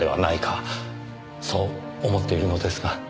そう思っているのですが。